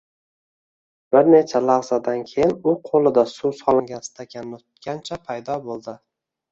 Bir necha lahzadan keyin u qo`lida suv solingan stakanni tutgancha paydo bo`ldi